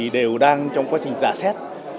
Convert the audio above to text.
đều đang trong quá trình giả xét